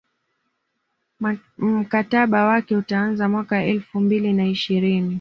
mkataba wake utaanza mwaka elfu mbili na ishirini